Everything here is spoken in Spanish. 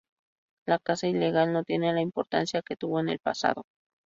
La caza ilegal no tiene la importancia que tuvo en el pasado.